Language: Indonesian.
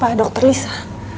pak dokter lisa